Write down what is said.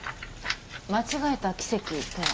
間違えた奇跡とは？